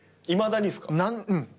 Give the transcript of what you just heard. いまだにっすか？